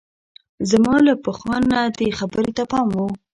زما له پخوا نه دې خبرې ته پام وو.